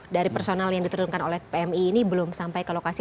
dari personal yang diturunkan oleh pmi ini belum sampai ke lokasi